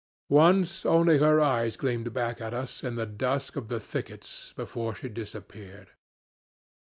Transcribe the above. Once only her eyes gleamed back at us in the dusk of the thickets before she disappeared.